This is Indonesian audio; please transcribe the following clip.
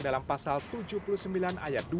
dalam pasal tujuh puluh sembilan ayat dua